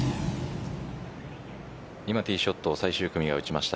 今ティーショット最終組は打ちました。